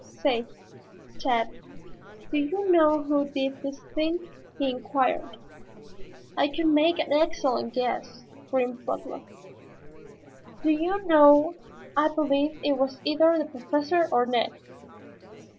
"Say, Tad, do you know who did this thing?" he inquired. "I could make an excellent guess," grinned Butler. "Do you know, I believe it was either the Professor or Ned."